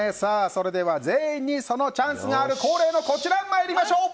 それでは、全員にそのチャンスがある恒例のこちらに参りましょう。